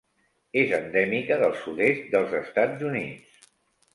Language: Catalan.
És endèmica del sud-est dels Estats Units.